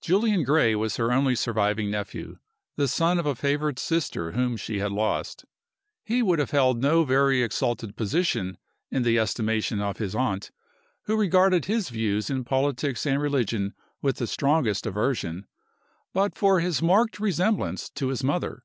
Julian Gray was her only surviving nephew, the son of a favorite sister whom she had lost. He would have held no very exalted position in the estimation of his aunt who regarded his views in politics and religion with the strongest aversion but for his marked resemblance to his mother.